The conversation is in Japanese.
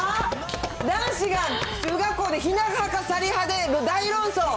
男子が中学校でひな派か、さり派で、大論争。